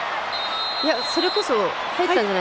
それこそ入ったんじゃ。